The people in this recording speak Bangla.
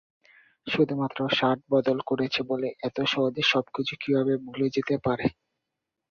শুধুমাত্র শার্ট বদল করেছে বলে, এতো সহজে সবকিছু কীভাবে ভুলে যেতে পারে?